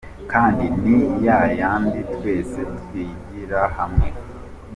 kandi ni yayandi twese twigira hamwe.